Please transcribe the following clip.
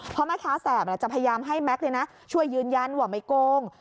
เพราะแม่ค้าแสบจะพยายามให้แม็กซ์ช่วยยืนยันว่าไม่โกง